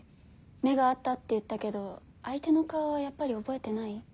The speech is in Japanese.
目が合ったって言ったけど相手の顔はやっぱり覚えてない？